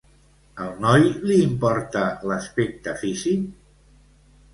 Al noi li importa l'aspecte físic?